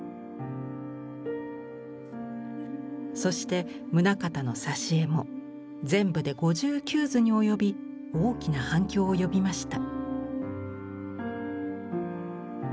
そして棟方の挿絵も全部で５９図に及び大きな反響を呼びました。